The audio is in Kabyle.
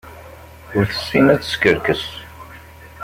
Ur tessin ad teskerkes.